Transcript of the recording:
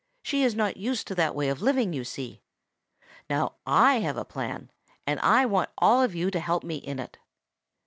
She is not used to that way of living, you see. Now, I have a plan, and I want you all to help me in it.